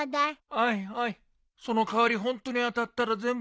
おいおいその代わりホントに当たったら全部よこせ。